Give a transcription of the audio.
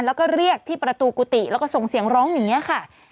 แล้วก็เรียกที่ประตูกุฏิแล้วก็ส่งเสียงร้องอย่างนี้ค่ะ